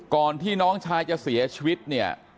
ก่อนที่น้องชายจะเสียชีวิตเนี่ย